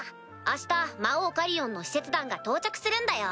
明日魔王カリオンの使節団が到着するんだよ。